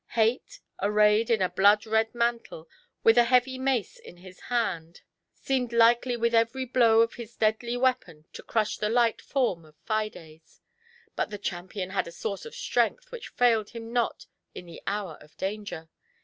Hate, arrayed in a blood red mantle, with a heavy mace in his hand, seemed likely with every blow of his deadly weapon to crush the light form of Fides. But the champion had a source of strength which failed him not in the hour of danger.